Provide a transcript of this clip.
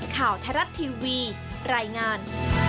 ข่าวไทยรัฐทีวีรายงาน